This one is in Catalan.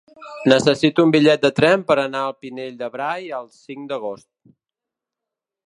Necessito un bitllet de tren per anar al Pinell de Brai el cinc d'agost.